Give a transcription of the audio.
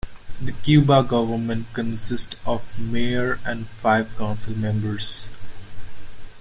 The Cuba government consists of a mayor and five council members.